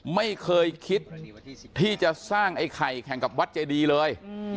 ไม่เคยคิดที่จะสร้างไอ้ไข่แข่งกับวัดเจดีเลย